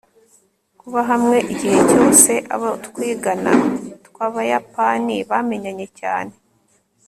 Kuba hamwe igihe cyose abo twigana twabayapani bamenyanye cyane